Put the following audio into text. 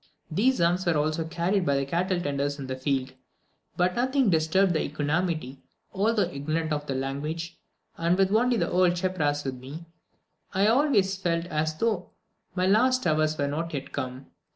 These arms were also carried by the cattle tenders in the fields. But nothing disturbed my equanimity, although ignorant of the language, and with only the old cheprasse with me; I always felt as though my last hours were not yet come.